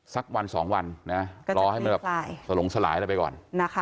สักวัน๒วันรอให้มันสลงสลายไปก่อน